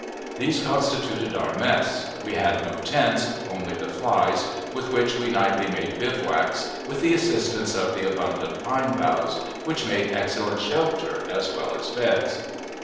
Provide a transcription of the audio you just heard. These constituted our mess. We had no tents, only the flies, with which we nightly made bivouacs with the assistance of the abundant pine boughs, which made excellent shelter, as well as beds.